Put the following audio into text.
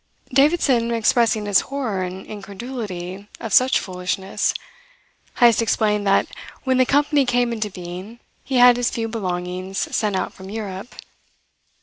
Davidson expressing his horror and incredulity of such foolishness, Heyst explained that when the company came into being he had his few belongings sent out from Europe.